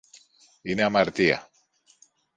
Είναι αμαρτία!